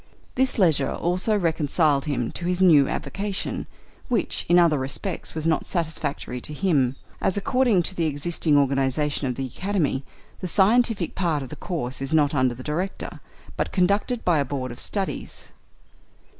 This leisure also reconciled him to his new avocation, which, in other respects, was not satisfactory to him, as, according to the existing organisation of the Academy, the scientific part of the course is not under the Director, but conducted by a Board of Studies.